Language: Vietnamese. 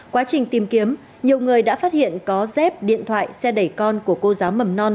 quá trình tìm kiếm nhiều người đã phát hiện có dép điện thoại xe đẩy con của cô giáo mầm non